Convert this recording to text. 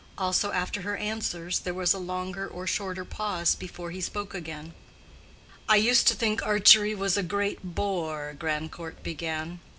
Also, after her answers there was a longer or shorter pause before he spoke again. "I used to think archery was a great bore," Grandcourt began.